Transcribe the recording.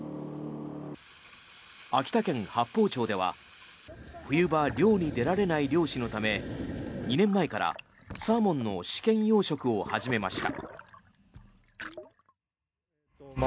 秋田県八峰町では冬場、漁に出られない漁師のため２年前からサーモンの試験養殖を始めました。